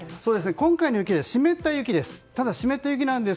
今回の雪は湿った雪です。